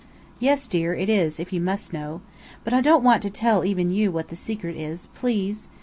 "Yes, dear, it is, if you must know. But I don't want to tell even you what the secret is, please!